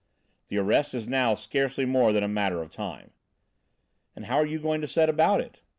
"The arrest is now scarcely more than a matter of time." "And how are you going to set about it?"